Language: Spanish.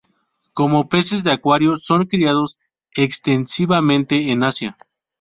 Como peces de acuario son criados extensivamente en Asia.